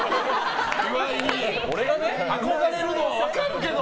岩井に憧れるのは分かるけど！